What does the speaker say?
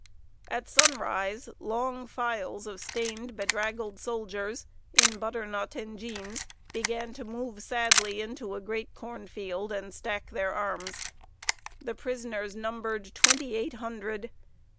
At sunrise, long files of stained, bedraggled soldiers, in butternut and jeans, began to move sadly into a great corn field, and stack their arms. The prisoners numbered twenty eight hundred.